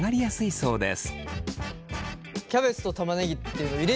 そうです。